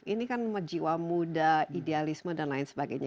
ini kan jiwa muda idealisme dan lain sebagainya